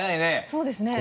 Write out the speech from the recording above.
そうですね。